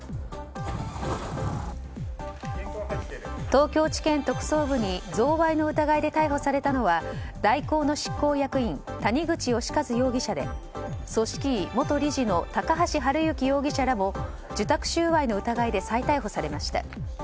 東京地検特捜部に贈賄の疑いで逮捕されたのは大広の執行役員谷口義一容疑者で組織委元理事の高橋治之容疑者らも受託収賄の疑いで再逮捕されました。